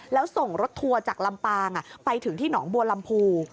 แล้วส่งรถทัวร์จากลำปางไปถึงที่หนองบัวลำพู